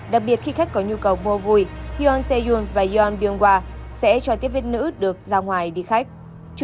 đặc biệt khi khách có nhu cầu vô vui hyun se yoon và yeon byung hwa sẽ cho tiếp viên nữ được ra ngoài đi khách